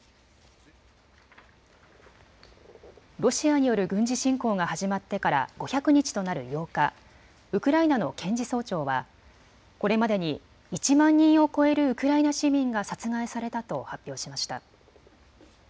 ロシアによる軍事侵攻が始まってから５００日となる８日、ウクライナの検事総長はこれまでに１万人を超えるウクライナ市民が殺害されたと発表しました。